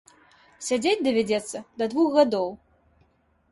Сядзець давядзецца да двух гадоў.